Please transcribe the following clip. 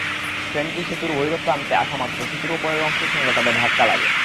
ট্রেনটি সেতুর ভৈরব প্রান্তে আসামাত্র সেতুর ওপরের অংশের সঙ্গে তাঁদের ধাক্কা লাগে।